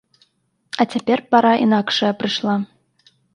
А цяпер пара інакшая прыйшла.